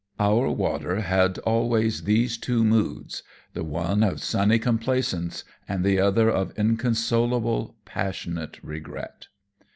Our water had always these two moods: the one of sunny complaisance, the other of inconsolable, passionate regret.